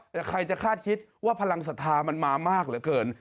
แต่ใครจะคาดคิดว่าพลังศรัทธามันมามากเหลือเกิน